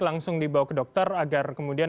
langsung dibawa ke dokter agar kemudian